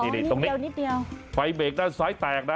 นิดตรงนี้ไฟเบรกด้านซ้ายแตกนะ